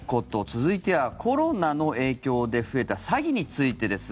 続いては、コロナの影響で増えた詐欺についてです。